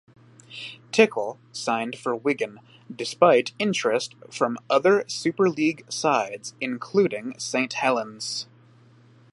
Tickle signed for Wigan despite interest from other Super League sides, including Saint Helens.